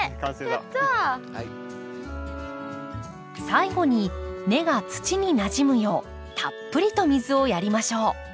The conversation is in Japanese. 最後に根が土になじむようたっぷりと水をやりましょう。